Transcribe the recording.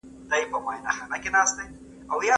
د کار کمیت یوازي د پرمختګ لامل نه دی.